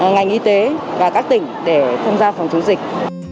ngành y tế và các tỉnh để tham gia phòng chống dịch